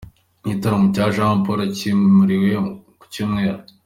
Igitaramo cya Jamporo cyimuriwe ku Cyumweru